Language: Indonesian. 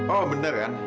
oh bener kan